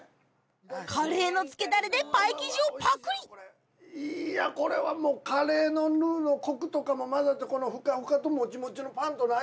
カレーのつけダレでパイ生地をパクリこれはもうカレーのルーのコクとかも混ざってこのフカフカともちもちのパンとの相性